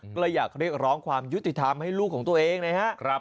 ก็เลยอยากเรียกร้องความยุติธรรมให้ลูกของตัวเองนะครับ